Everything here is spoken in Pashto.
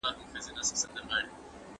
دا یو رښتینی او ډېر مهم داستان دی.